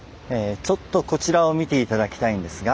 ちょっとこちらを見て頂きたいんですが。